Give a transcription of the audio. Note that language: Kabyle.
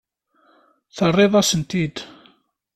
Terriḍ-asen-ten-id.